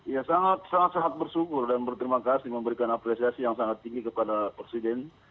ya sangat sangat bersyukur dan berterima kasih memberikan apresiasi yang sangat tinggi kepada presiden